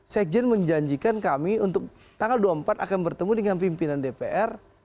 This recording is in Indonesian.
sekjen menjanjikan kami untuk tanggal dua puluh empat akan bertemu dengan pimpinan dpr